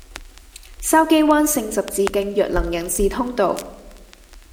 筲箕灣聖十字徑弱能人士通道